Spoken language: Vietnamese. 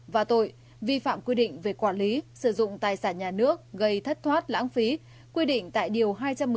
và tội vi phạm quy định về quản lý sử dụng tài sản nhà nước gây thất thoát lãng phí quy định tại điều hai trăm một mươi sáu